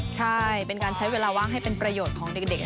ใช่เป็นการใช้เวลาว่างให้เป็นประโยชน์ของเด็ก